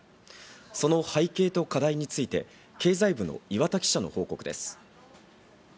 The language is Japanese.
その背景と課題について経済部の岩田記者の報告です。